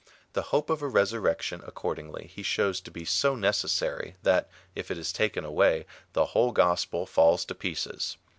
The hope of a resurrection, accordingly, he shows to be so necessary, that, if it is taken away, the whole gospel falls to pieces.